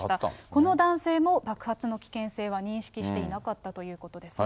この男性も爆発の危険性は認識していなかったということですね。